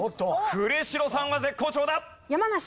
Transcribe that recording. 呉城さんは絶好調だ！